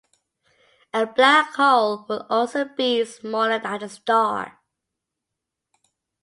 A black hole would also be smaller than a star.